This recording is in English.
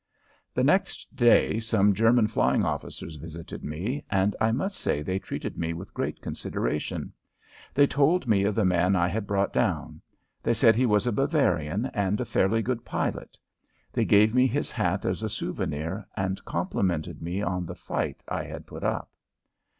The next day some German flying officers visited me, and I must say they treated me with great consideration. They told me of the man I had brought down. They said he was a Bavarian and a fairly good pilot. They gave me his hat as a souvenir and complimented me on the fight I had put up.